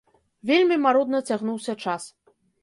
Вельмі марудна цягнуўся час.